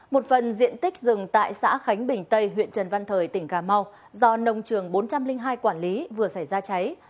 một phần diện tích rừng tại xã khánh bình tây huyện trần văn thời tỉnh cà mau do nông trường bốn trăm linh hai quản lý vừa xảy ra cháy